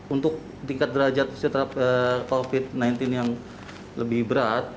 untuk tingkat derajat psiterapi covid sembilan belas yang lebih berat